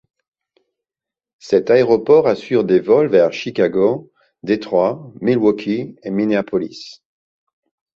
Cet aéroport assure des vols vers Chicago, Détroit, Milwaukee et Minneapolis.